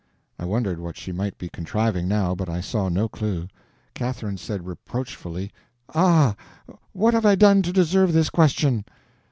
I wondered what she might be contriving now, but I saw no clue. Catherine said, reproachfully: "Ah, what have I done to deserve this question?"